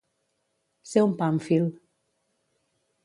Ser un pàmfil.